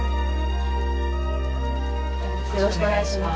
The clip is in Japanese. よろしくお願いします。